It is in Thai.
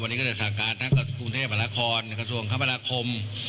วันนี้ก็จะสาหการทั้งกับกรุงเทพธรรมนาคมกระทรวงคมธรรมนาคม